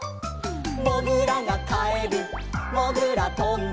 「もぐらがかえるもぐらトンネル」